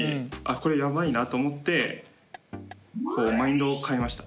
これやばいなと思ってマインドを変えました。